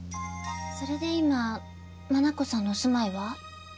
それで今マナコさんのお住まいは？